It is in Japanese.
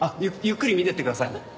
ゆっくり見ていってください。